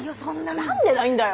何でないんだよ。